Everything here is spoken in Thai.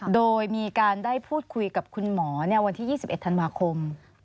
โดยมีการได้พูดคุยกับคุณหมอวันที่๒๑ธันวาคม